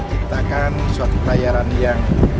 kita akan suatu layaran yang